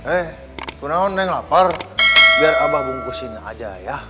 eh kenaun neng lapar biar abah bungkusin aja ya